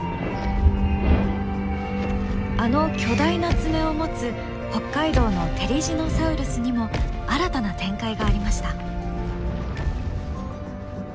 あの巨大な爪を持つ北海道のテリジノサウルスにも新たな展開がありました。